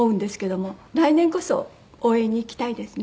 来年こそ応援に行きたいですね。